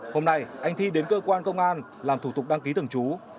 hôm nay anh thi đến cơ quan công an làm thủ tục đăng ký thường trú